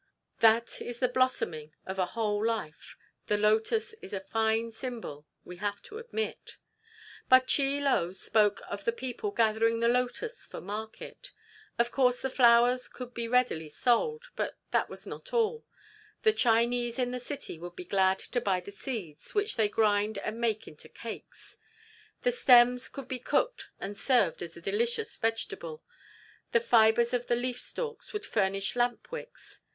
That is the blossoming of a whole life. The lotus is a fine symbol, we have to admit. But Chie Lo spoke of the people gathering the lotus for market. Of course the flowers could be readily sold, but that was not all. The Chinese in the city would be glad to buy the seeds, which they grind and make into cakes. The stems could be cooked and served as a delicious vegetable; the fibres of the leaf stalks would furnish lamp wicks.